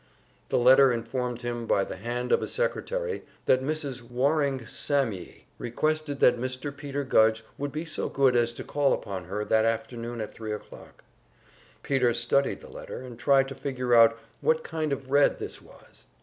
The letter informed him by the hand of a secretary that Mrs. Warring Sammye requested that Mr. Peter Gudge would be so good as to call upon her that afternoon at three o'clock. Peter studied the letter, and tried to figure out what kind of Red this was.